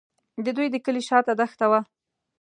د دوی د کلي شاته دښته وه.